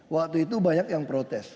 waktu itu banyak yang protes